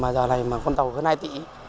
mà giờ này mà con tàu hơn hai tỷ